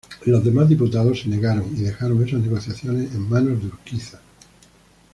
Los demás diputados se negaron, y dejaron esas negociaciones en manos de Urquiza.